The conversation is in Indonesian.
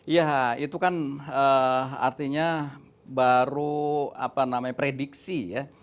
ya itu kan artinya baru prediksi ya